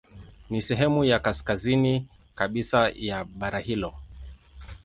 Ni sehemu ya kaskazini kabisa ya bara hilo.